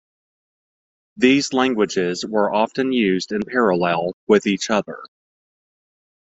These languages were often used in parallel with each other.